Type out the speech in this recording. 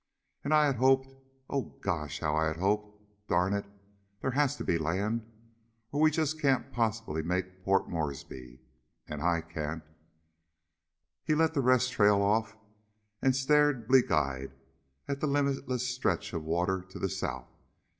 "And I had hoped oh gosh, how I had hoped! Darn it, there has to be land, or we just can't possibly make Port Moresby. And I can't " He let the rest trail off and stared bleak eyed at the limitless stretch of water to the south.